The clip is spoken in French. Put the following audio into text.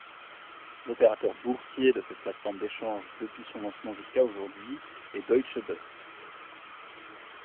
L'opérateur boursier de cette plateforme d'échange depuis son lancement jusqu'à aujourd'hui est Deutsche Börse.